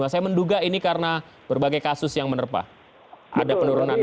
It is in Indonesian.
saya menduga ini karena berbagai kasus yang menerpa ada penurunan